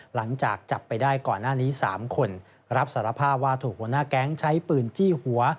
หลังจากจับไปได้ก่อนหน้านี้๓คนรับสารภาพว่าถูกหัวหน้าแก๊งใช้ปืนจี้หัว